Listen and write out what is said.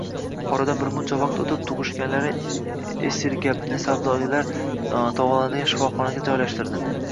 Oradan birmuncha vaqt o‘tib, tug‘ishganlari Esirgapni savdoyilar davolanadigan shifoxonaga joylashtirdi